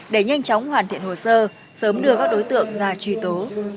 để nhanh chóng hoàn thiện hồ sơ sớm đưa các đối tượng ra truy tố